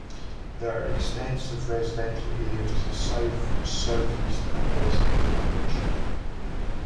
There are extensive residential areas to the south, southeast and west of the village.